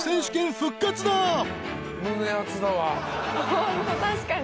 ホント確かに。